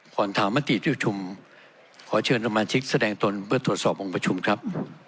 ถามมติที่ประชุมขอเชิญสมาชิกแสดงตนเพื่อตรวจสอบองค์ประชุมครับ